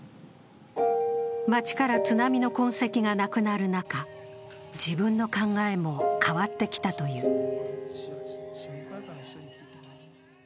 町から津波の痕跡がなくなる中自分の考えも変わってきたという。